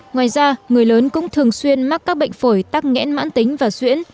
ngoài ra người lớn cũng thường xuyên mắc các bệnh phổi tắc nghẽn mãn tính và xuyễn